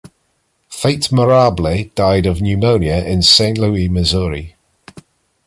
Fate Marable died of pneumonia in Saint Louis, Missouri.